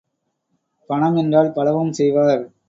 பணம் என்றால் பலவும் செய்வார்.